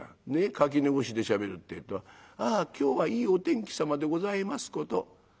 垣根越しでしゃべるってえと『ああ今日はいいお天気さまでございますこと。